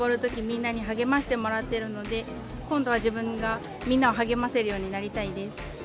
みんなに励ましてもらってるので今度は自分がみんなを励ませるようになりたいです。